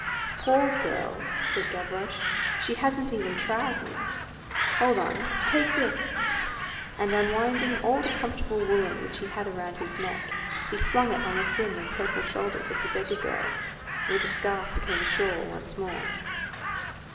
"Poor girl!" said Gavroche. "She hasn't even trousers. Hold on, take this." And unwinding all the comfortable woollen which he had around his neck, he flung it on the thin and purple shoulders of the beggar girl, where the scarf became a shawl once more.